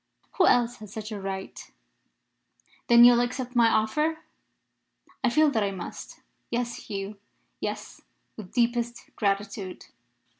"Who else has such a right?" "Then you will accept my offer?" "I feel that I must. Yes, Hugh; yes, with deepest gratitude."